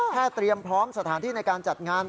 เตรียมพร้อมสถานที่ในการจัดงาน